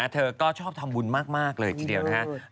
เธอก็ชอบทำบุญมากเลยทีเดียวนะครับ